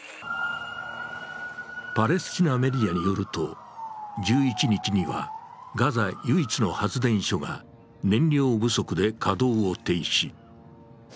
パレスチナメディアによると、１１日にはガザ唯一の発電所が燃料不足で稼働を停止。